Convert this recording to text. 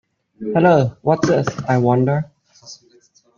Hello, what's this, I wonder.